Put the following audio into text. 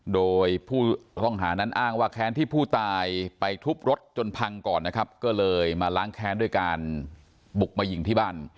โดยผู้ต้องหานั้นอ้างว่าแค้นที่ผู้ตายไปทุบรถจนพังก่อนนะครับก็เลยมาล้างแค้นด้วยการบุกมายิงที่บ้าน